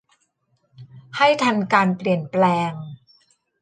ให้ทันการเปลี่ยนแปลง